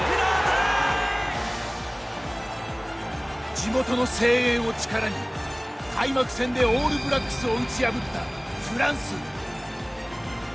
地元の声援を力に開幕戦でオールブラックスを打ち破ったフランス。